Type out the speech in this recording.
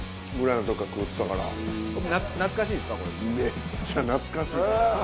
めっちゃ懐かしいです。